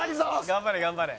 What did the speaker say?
「頑張れ頑張れ！」